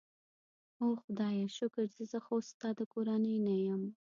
اوه خدایه، شکر چې زه خو ستا د کورنۍ نه یم.